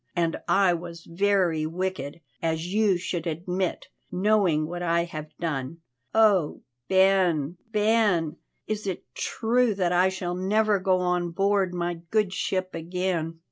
And I was very wicked, as you should admit, knowing what I have done. Oh, Ben, Ben! Is it true that I shall never go on board my good ship again?"